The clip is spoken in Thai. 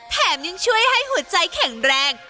แถมยังช่วยให้หัวใจแข็งแรง